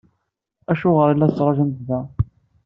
Acuɣer i la tettṛajumt da?